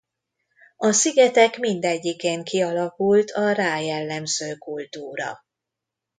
A szigetek mindegyikén kialakult a rá jellemző kultúra.